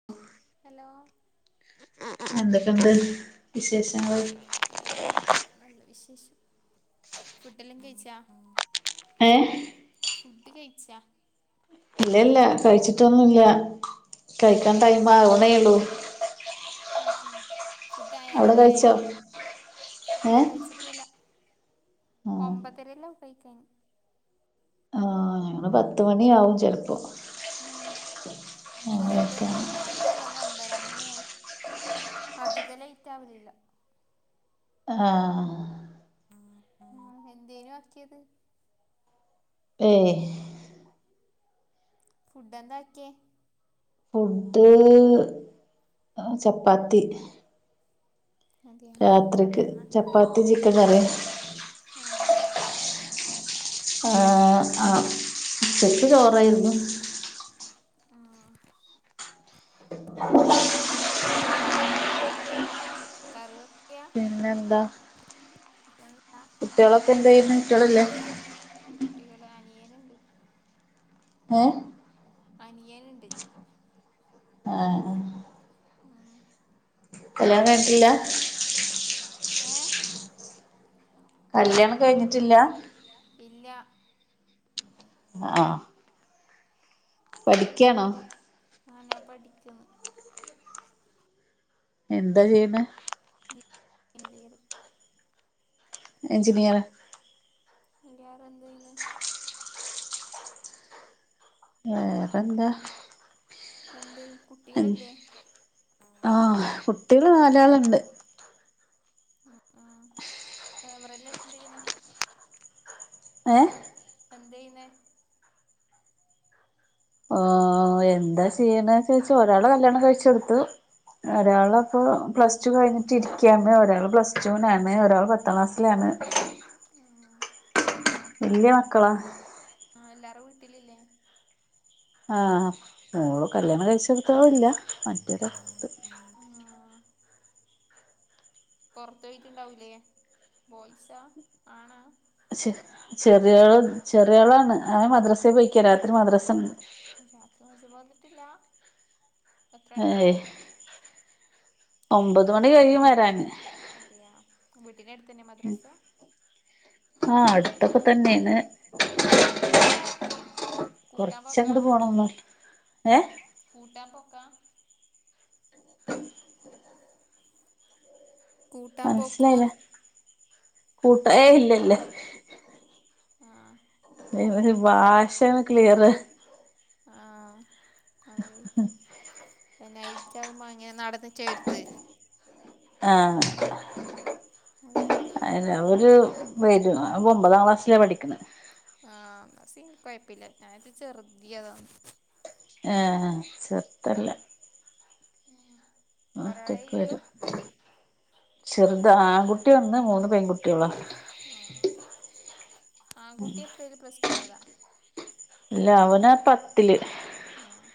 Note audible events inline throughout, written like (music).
(inaudible) Hello എന്തൊക്കെണ്ട് വിശേഷങ്ങള് ആ എന്തൊക്കെ നല്ല വിശേഷം ഫുഡെല്ലം കഴിച്ചോ ഏ ഫുഡ് കഴിച്ചാ ഇല്ല ഇല്ല കഴിച്ചിട്ടൊന്നുല്ല കഴിക്കാൻ ടൈമാവ്ണേള്ളൂ അതെ ഫുഡായൊ അവിടെ റെഡി ആയോ കഴിച്ചോ ഏ ഇല്ല കഴിച്ചി ട്ടില്ല ആ ഒമ്പതരല്ലം കയ്ക്കാന് (unintelligible) പത്തുമണിയാവും ചെലപ്പോ ചെൽപ്പോ ആ ചെലെ ടൈം കഴിക്കാൻ ഒമ്പണി അല്ലെങ്കി ഒമ്പര അങ്ങനെയാവും അധിക ലേറ്റാവലില്ല ആ ഉം എന്തേനു ആക്ക്യേത് ഏ ഫുഡെന്താക്കെ ഫുഡ് ചപ്പാത്തി അതെയൊ രാത്രിക്ക് കറിയെന്ന ചപ്പാത്തി ചിക്കൻ കറി ആ ആ ആ ഉച്ചക്ക് ചോറായിരുന്നു ആ (unintelligible) ശരി ഇപ്പ കറി വെക്ക്യാ പിന്നെന്താ പിന്നെ ന്താ കുട്ടികളൊക്കെ എന്ത് ചെയ്യുന്നു കുട്ടികളില്ലേ കുട്ടികള് അനിയനുണ്ട് ഏഹ് അനിയൻ ഇണ്ട് ആഹ് ഉം കല്യാണം കഴി ഏഹ് കല്യാണം കഴിഞ്ഞിട്ടില്ല ഇല്ലാ ആഹ് പഠിക്കാണോ ആഹ് ഞാൻ പഠിക്കുന്നു എന്താ ചെയ്യ്ന്നെ എനിതേര് എഞ്ജിനിയർ നിന്റിയാറ് എന്ത്‌ ചെയ്യന്ന് വെറെന്ത എന്ത് കുട്ടികളില്ലേ ആഹ് കുട്ടികള് നാലാളുണ്ട് ആഹ് അവറല്ല എന്തയിന് ഏഹ് അന്തേയിനെ ഓ എന്താ ചെയ്യണെ ചോയ്‌ച്ച ഒരാള് കല്യാണം കഴിചോട്ത്തു ഒരാള് പ്പോ പ്ലസ്റ്റു കഴിഞ്ഞിട്ട് ഇരിക്കാണ് ഒരാൾ പ്ലസ്റ്റൂലാണ് ഒരാൾ പത്താം ക്ലാസിലാണ് ഉം ആഹ് വല്യ വല്ല്യ മക്കളാ മക്കളാണ് എല്ലാരും വീട്ടിലില്ലേ ആഹ്‌ മോള് കല്യാണം കഴിച്ചകുട്ട്യാളില്ല ആഹ് ആഹ് ആഹ് പോർതോയ്‌റ്റ്ണ്ടാവുലെ ബോയ്സാ ആണാ ചെറി ചെറിയളാണ് അവൻ രാത്രി മദ്രസെ പൊയിക്ക രാത്രി മദ്രസെണ് അപ്പരാത്രി മദ്രസ് വന്നിട്ടില്ല എത്ര മണിക്കാ ഏഹ് ഒമ്പത് മണി കഴിയും വരാന് അതെയാ വീട്ടിന്റെ അടുത്തന്നെ മദ് ആഹ് അടുത്തൊക്കെ തന്നെണ് കൂട്ടാൻ പോക്കാ കൊറച്ചങ്ങട്ട് പോണം ന്നൊള്ളു ഏഹ്‌ കൂട്ടാ പൊക്കാ (inaudible) കൂട്ടാൻ മൻസ്സിലായില്ല പോക്കോന്ന് കൂട്ടാ ഏയ് ഇല്ലല്ല ആഹ്‌ എയ് ഒരു ഭാഷാണ് ക്ലിയറ് ആഹ് അങ്ങയ്ക്കും നൈ ചകുമ്പോ അനിയൻ നടന്നിട്ടാ വര്ത്ത് ആഹ്‌ അതെയാ അയ്‌നെ ഒരു വരും ഒമ്പതാം ക്ലാസ്സിലാണ് പഠിക്ക്ണത് ആഹ് അസി കുഴപ്പില്ല്യ ഞാർച് ചെറുതിയതാന്ന് ഏഹ് ചെർതല്ല ആഹ്‌ ഒറ്റക്ക് വരും ചെറുത് ആകുട്ടി ഒന്ന് മൂന്ന് പെൺകുട്ട്യാള ആഹ് ആകുട്ടിയെത്രൽ പ്ലസ്ടു കൈ ഞതാ ല്ല അവനാ പത്തില് ആഹ്‌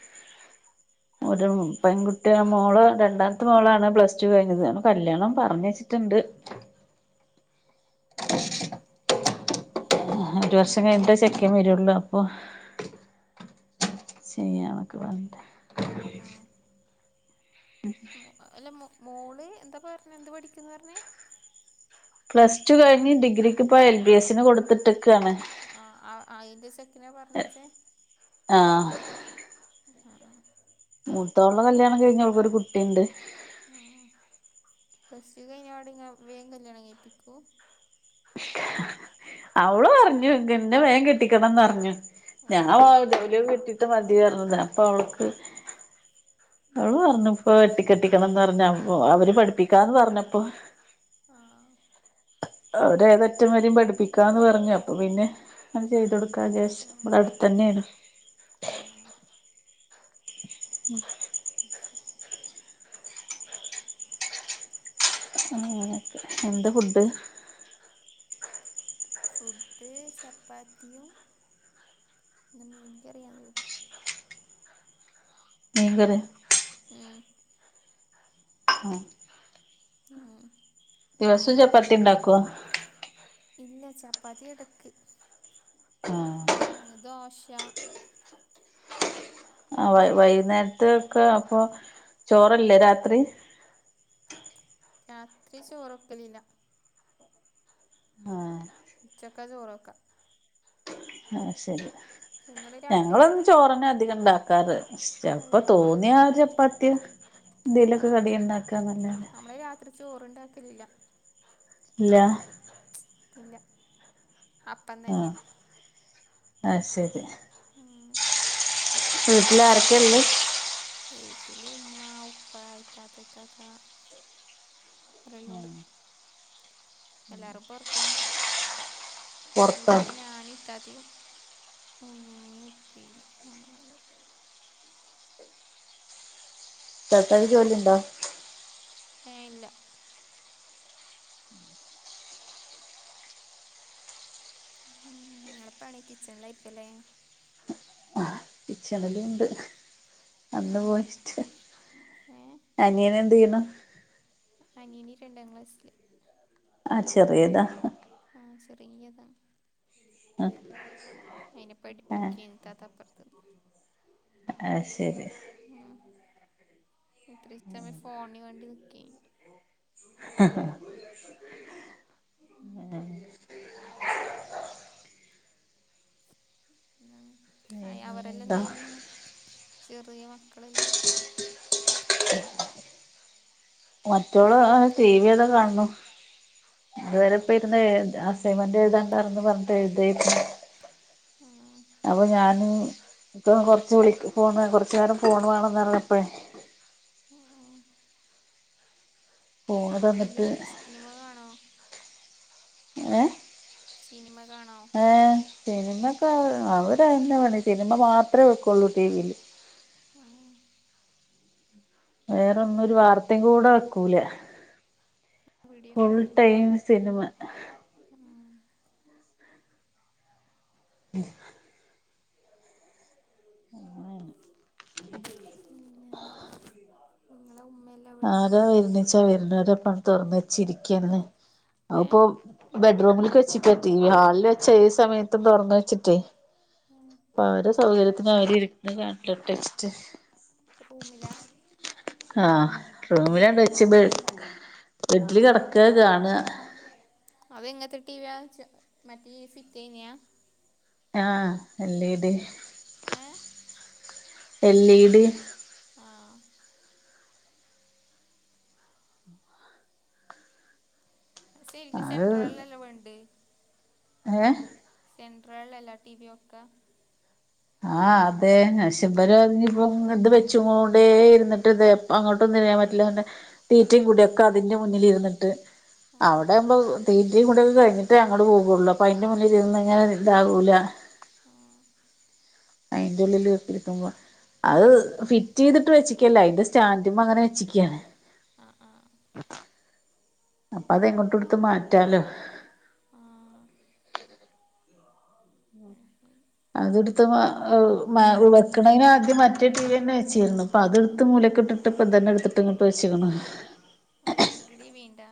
ഒരു മോ പെൺകുട്ടിയ മോള് രണ്ടാത്തെ മോളാണ് പ്ലസ് ടു കഴിഞ്ഞത് അ കല്യാണം പറഞ്ഞച്ച്ട്ട്ണ്ട് ആഹ്‌ ആഹ്‌ ഒരുവർഷം കഴിഞ്ഞിട്ടേ ചെക്കൻ വരൊള്ളൂ അപ്പൊ ചെയ്യാനൊക്കെ പർഞ്ഞിട്ട് ആഹ്‌ ആഹ്‌ (inaudible) അഅല്ല മോ മോള് എന്താ പറഞ്ഞേ എന്ത് പഠിക്ക്ന്ന് പറഞ് പ്ലസ് ടു കഴിഞ്ഞ് ഡിഗ്രിക്ക്പ്പ എൽ ബി എസിന് കൊടുത്ത്ട്ട്ക്കാണ് അ ആ അ അയ്ന്റെ ചെക്കനെ പർഞ്ഞച്ചേ ആഹ്‌ അ ആഹ്‌ മൂത്തൊളേ കല്യാണം കഴിഞ് അവൾക്കൊരു കുട്ടിണ്ട് ആ പ്ലസ് ടു കഴിഞ്ഞപാട് ങ്ങ വേം കല്യാണം കഴിപ്പിക്കോ അവളു പറഞ്ഞു ഗ ന്നെ വേം കെട്ടിക്കണന്നർഞ്ഞു ഓ ഞാ അത് ശരി വ ഒരു ട്ട് മതിഅർഞ്ഞത അപ്പൊ അവൾക്ക് അവള് പർഞ്ഞു ഇപ്പൊ കെട്ടി ക്കെട്ടിക്കണംന്നർഞ്ഞ അപ്പൊ അവര് പഠിപ്പിക്കാന്ന് പർഞ്ഞപ്പോ ആഹ്‌ അവര് ഏതറ്റം വരിം പഠിപ്പിക്കാന്ന് പഞ്ഞു അപ്പൊ പിന്നെ അണ്ട് ചെയ്തോ കാജേഷ് ഉം ഇവടട്ത്തന്നേണ് ഉം (inaudible) (unintelligible) അങ്ങനേ ഒക്കേ എന്താ ഫുഡ് ഫുഡ് ചപ്പാത്തിയും ഇന്ന് മീൻ കറിയാന്ന് തോന്ന് മീൻ കറിയോ മ് (inaudible) (unintelligible) ദിവസും ചപ്പാത്തിണ്ടാക്കോ ഇല്ല ചാപ്പാത്തി എടക്ക് ആഹ് അല്ലെങ്ങ് ദോശ ആ വൈ അങ്ങനെ വൈന്നേരത്തൊക്കെ അപ്പൊ ചോറല്ലേ രാത്രി രാത്രി ചോറൊക്കലില്ല ആഹ് ഉച്ചക്കാ ചോറ് വെക്ക ആഹ് ശരി നിങ്ങള് രാത്രി ഞങ്ങളെന്നും വെക്കല് ചോറെന്നാ അധികം ഇണ്ടാക്കാറ് ചെൽപ്പോ അതെയാ തോന്നാ ചപ്പാത്തിം എന്തേലൊക്കെ കടി ഇണ്ടാക്കാന്നെല്ലാതെ ചോറ്ണ്ടാകലില്ല ഇല്ലാ ഇല്ല അപ്പം തെന്നെയാ ഐ ശെരി മ് വീട്ടിൽ ആരെക്കെ ഇള്ള് വീട്ടില് ഉമ്മ ഉപ്പ ഇത്താത്ത ഇക്കാക്ക ഒരെല്ലോണ്ട് എല്ലാരും പൊറ്ത്താന്ന് പൊറത്താ ഈടിപ്പോ ഞാന് ഇത്താത്തയും ഉമ്മിയും ഉപ്പിയും നമ്മ നാലാളും ഇത്താത്താക്ക് ജോലിണ്ടോ? ഏഹ് ഇല്ല ഉം ഇങ്ങളെ പണി കിച്ചണ്ലേക്കുല്ലേ കിച്ചണ്ല്ണ്ട് അന്ന് പോയിട്ട് ഏ അനിയനെന്തെയ്യ്ണു അനീൻ രണ്ടാ ക്ലാസ്‌ല് ആഹ് ചെറിയേതാ ആഹ് ചെറിയ്യതാ അയിനെ ആ പഠിപ്പിക്ക്യേന് ഇത്താത്ത അപ്പറ്ത്ത്ന്ന് അഹ് ശെരി ഉം ഇത്രേം സമയം ഫോണി കണ്ട് ന്ന്ക്കേനി ഹ് ഉം ഉം ന്നാ അയാ അവരെല്ലാം എന്താ എന്തെയ്യ്ന്ന് ചെറിയ മക്കളെല്ലോം മറ്റോള് ആഹ് ആഹ് ടീവിയതാ കാണുന്നു ഇതുവരെ ഇപ്പം ഇരുന്ന് വീട്ടിലിട്ട് എഴുതാ അ സൈമെന്റ് എഴ്താണ്ട് (unintelligible) പറഞ്ഞിട്ട് എഴുതേര്ന്നു ആ അപ്പോ ഞാന് ഇപ്പം കൊറച്ച് വിളി ഫോണ് കൊറച്ച് നേരം ഫോണ് വേണന്നർഞ്ഞപ്പഴേ ഉം ഫോണ് തന്നിട്ട് ഫിലിമ് സ്നിമ കാണോ? ഏഹ് ഏഹ് സിനിമ കാണോ? ഏഹ് സിനിമക്കെ അവടെ അയെന്നെ പണി സിനിമ മാത്രെ വെക്കുള്ളൂ ടീവില് ഉം വേറോന്നും ഒരു വാർത്തിം കൂടെ വെക്കൂല ഇവിടെയും ഫുൾ അങ്ങനെന്നെ ടൈമ് സിനിമ ഉം (unintelligible) പിന്നെ (inaudible) നിങ്ങളെ ഉമ്മ ആരാ വെര്ണച്ചാ വെര്ന്നോരപ്പം തൊറന്നച്ചിരിക്കന്നെ ഏ അവ്പ്പൊ ബെഡ്റൂമില്ക്ക് വെച്ചിക്കാ ടീവി ഹാൾല് വച്ചാ ഏഹ് സമയത്തും തൊറന്ന് വെച്ച്ട്ടേ ഉം ഇപ്പവരെ സൗകര്യത്തിന് അവര് ഇര്ന്ന് കണ്ടോട്ടേച്ച്ട്ട് റൂമിലാ ആഹ് റൂമിലാണ്ട് വെച്ച് ബെ ബെഡ്ല് കെടക്കാ കാണാ അതെങ്ങത്തെ ടീവിയാ ചൊ മറ്റെ ഫിറ്റയിന്യാ ആഹ് എൽ ഇ ഡി ഏഹ് എൽ ഇ ഡി ആഹ് ആഹ് സരിക്ക് അത് സെൻട്രേലല്ലെ വാണ്ടേ ഏഹ് സെൻട്രേലല്ലെ ടീവി വെക്കാ ആഹ് അതെ ക്ഷേ ഇബല് ഇഞ്ഞ്പ്പോ ഇങ്ങ് ഇത് വെച്ച്ങ്ങോണ്ടേ ഇര്ന്ന്ട്ട് ഇതെ പ്പങ്ങോട്ടും തിരിയാൻ പറ്റില്ലാന്ന തീറ്റിം കുടിം ഒക്കെ അതിന്റെ മുന്നിലിര്ന്നിട്ട് ആ അവ്ടേവ്മ്പം തീറ്റിം കുടിം ഒക്കെ കഴിഞ്ഞ്ട്ടെ അങ്ങോട് പോവോള്ളു അ ഇപ്പയിന്റെ മുന്നില് ഇര്ന്ന്ങ്ങനെ ഇതാകൂല്ല ആ അയിന്റെ ഉള്ളില് (unintelligible) അഹ് ഫിറ്റ്യ്തിട്ട് വെച്ച് ക്ക്യല്ല അയ്ന്റെ സ്റ്റാൻഡ്മ്മങ്ങനെ വെച്ചിക്ക്യാണ് ആ ആ അപ്പതെങ്ങോട്ടു ഇട്ത്ത് മാറ്റാലോ ആ അത് ശരി അത്ടുത്ത് മാ ഔ മാ ഉ വെക്കണേന് ആദ്യം മറ്റേ ടീവിയന്നെ വെച്ചീര്ന്നു പ്പ അതടുത്ത് മൂലക്ക് ട്ട് ട്ട്പ്പ തന്നെ ടുത്തിട്ട് ഇങ്ങ് ച്ച്ക്ണ് വേണ്ടടി വേണ്ടാ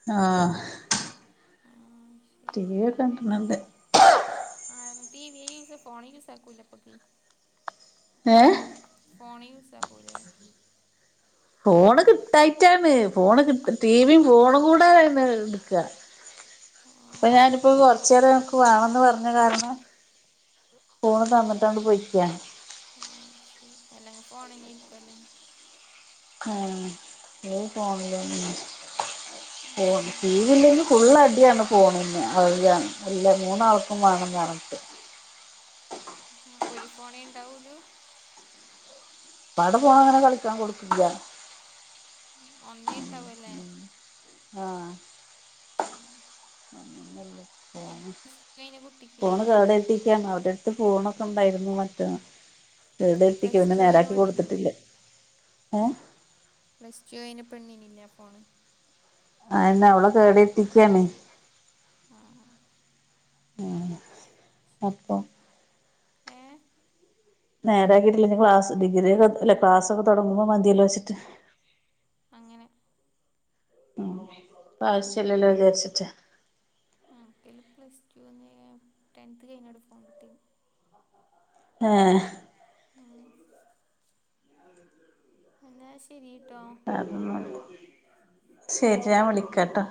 ആഹാ ആഹ് ടി ശരി വി ഒക്കെ രണ്ടണ്ണം ഇണ്ട് ആനു ടി വി ഫോണ യു സാലാക്കൂലപ്പക്കെ ഏ ഫോണി യുസാക്കൂലെ ഫോണ് കിട്ടായിട്ടാണ് ഫോണ് ടി വി ഫോണുംകൂടെെ ന്എടുക്ക ആഹ് ഇപ്പൊ ഞാനിപ്പോ കൊറച്ചേനരം ൻക്ക് വാണംന്ന് പറഞ്ഞ കാരണം ഫോണ് തന്നിട്ടാണ്ട് പോയ്ക്ക ആഹ് ശരി അല്ലങ്കി ഫോണീ നിരിക്കുല്ലേ ഉം ഈ ഫോണില ഫോൺ ആഹ് ടി വി ഇല്ലേങ്കിഫുള്ള് അടിയാണ് ഫോണിന്ന് അത് ആണ് അല്ല മൂന്നാൾക്കും വേണന്നർഞ്ഞ്ട്ട് ആ ഒരു ഫോണേ ഉണ്ടാവുലു പ്പാടെ ഫോണങ്ങനെ കളിക്കാൻ കൊടുക്കില്ല ഒന്നേ ണ്ടാവല്ലേ ആഹാ ആഹ് അപ്പ പ്ലസ് ടു കഴിഞ്ഞ കുട്ടിക്കില്ലേ ഫോണ് കേടെര്ത്തിക്കാണ് അവടെ ഫോണൊക്കെണ്ടായിരുന്നു മറ്റ കേടര്ത്തിക്ക് പ്ലസ് പിന്നെ ടു കഴിഞ്ഞ നേരാക്കി പെണ്ണിനില്ലേ കൊടുത്തിട്ടില്ലഏ പ്ലസ് ടു കയിഞ്ഞെ പെണ്ണീനില്ലെ ഫോണ് അ എന്നെ അവള കേടർതിക്കാത്തിക്കാണെ ആഹ് അപ്പോം ഏഹ് നേരാക്കിട്ടില്ല ഇനി ക്ലാസ് ഡിഗ്ര ഒക്കെല്ല ക്ലാസ് ഒക്കെ തൊടങ്ങുമ്പോ മതിയെല്ലൊച്ചട്ട് അങ്ങനെ പ്പൊ ആവശൃല്ലല്ലോ വിചാരിച്ചിട്ട് ആക്കും പ്ലസ് ടു ടെൻത് കഴിഞ്ഞ ഫോൺ കിട്ടീ ഏ ഉം എന്നാ ശെരിയിട്ടോ അത ശരി ഞാൻ വിളിക്കട്ടോ